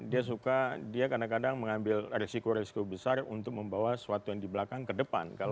dia suka dia kadang kadang mengambil resiko resiko besar untuk membawa sesuatu yang di belakang ke depan